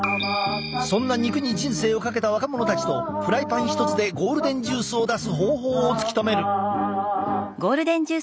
そんな肉に人生をかけた若者たちとフライパン１つでゴールデンジュースを出す方法を突き止める！